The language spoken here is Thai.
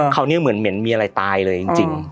คราวนี้เหมือนเหม็นมีอะไรตายเลยจริง